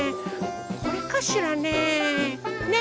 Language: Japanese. これかしらね？